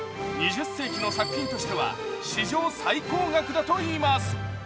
２０世紀の作品としては史上最高額だといいます。